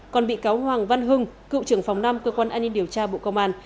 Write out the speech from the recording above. còn bị cáo hoàng văn hưng cựu trưởng phòng năm cơ quan an ninh điều tra bộ công an